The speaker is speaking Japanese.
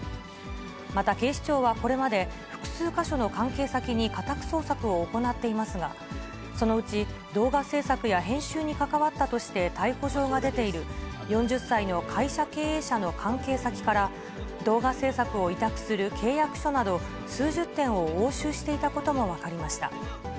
また警視庁はこれまで、複数か所の関係先に家宅捜索を行っていますが、そのうち、動画制作や編集に関わったとして逮捕状が出ている４０歳の会社経営者の関係先から、動画制作を委託する契約書など、数十点を押収していたことも分かりました。